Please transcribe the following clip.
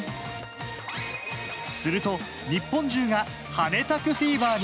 すると、日本中がハネタクフィーバーに。